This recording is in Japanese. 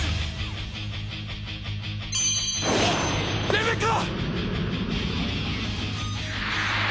レベッカ！